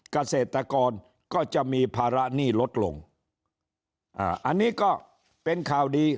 เกษตรกรก็จะมีภาระหนี้ลดลงอ่าอันนี้ก็เป็นข่าวดี